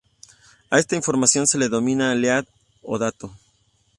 A esta información se le denomina Lead o Dato.